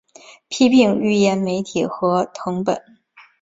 批评预言媒体和誊本